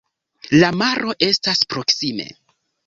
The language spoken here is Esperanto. La maro estas proksime.